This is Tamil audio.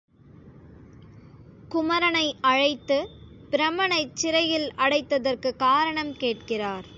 குமரனை அழைத்து, பிரமனைச் சிறையில் அடைத்ததற்குக் காரணம் கேட்கிறார்.